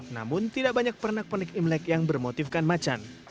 namun tidak banyak pernak pernik imlek yang bermotifkan macan